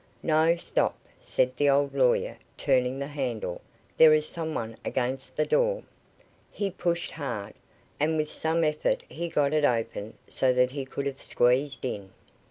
"No; stop," said the old lawyer, turning the handle. "There is some one against the door." He pushed hard, and with some effort got it open so that he could have squeezed in.